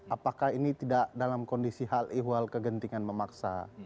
apakah ini tidak dalam kondisi hal ihwal kegentingan memaksa